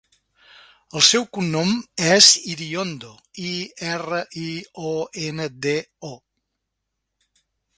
El seu cognom és Iriondo: i, erra, i, o, ena, de, o.